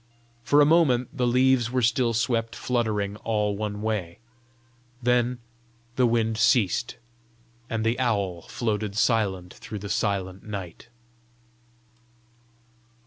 For a moment the leaves were still swept fluttering all one way; then the wind ceased, and the owl floated silent through the silent night.